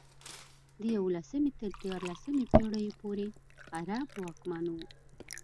د یولسمې تر دیارلسمې پېړیو پورې عرب واکمن وو.